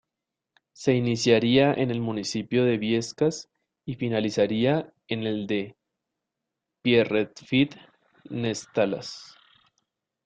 Se iniciaría en el municipio de Biescas y finalizaría en el de Pierrefitte-Nestalas.